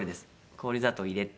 氷砂糖入れて。